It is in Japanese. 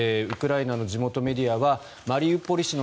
ウクライナの地元メディアはマリウポリ